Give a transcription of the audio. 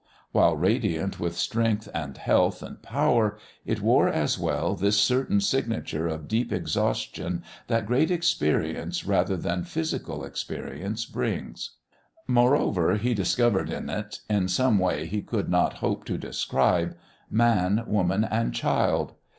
While radiant with strength and health and power, it wore as well this certain signature of deep exhaustion that great experience rather than physical experience brings. Moreover, he discovered in it, in some way he could not hope to describe, man, woman, and child.